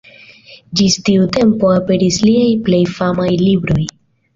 Ĝis tiu tempo aperis liaj plej famaj libroj.